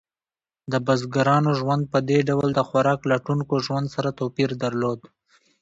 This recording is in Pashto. د بزګرانو ژوند په دې ډول د خوراک لټونکو ژوند سره توپیر درلود.